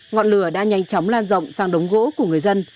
ngọn lửa đã nhanh chóng lan rộng sang đống gỗ của người dân